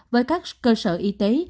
với các cơ sở y tế